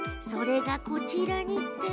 それがこちらに。